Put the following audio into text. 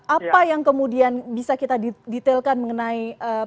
apa yang kemudian bisa kita detailkan mengenai